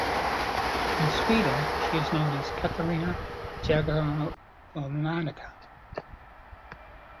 In Sweden, she is known as "Katarina Jagellonica".